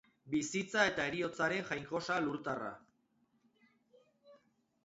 Bizitza eta heriotzaren jainkosa lurtarra.